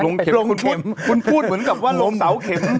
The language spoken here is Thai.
คุณพูดเหมือนกับว่าลงเสาเข็ม